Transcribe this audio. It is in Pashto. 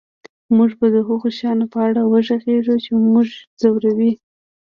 موږ به د هغو شیانو په اړه وغږیږو چې موږ ځوروي